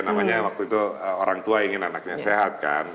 namanya waktu itu orang tua ingin anaknya sehat kan